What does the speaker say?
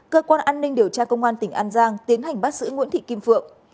cơ quan an ninh điều tra công an tỉnh an giang tiến hành bắt giữ nguyễn thị kim phượng